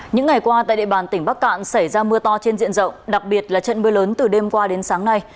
những ngày qua tại địa bàn tỉnh bắc cạn xảy ra mưa to trên diện rộng đặc biệt là trận mưa lớn từ đêm qua đến sáng nay